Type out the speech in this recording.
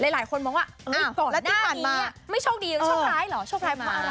หลายคนมองว่านี่ก่อนหน้านี้ไม่โชคดีหรือโชคร้ายหรอโชคร้ายเพราะอะไร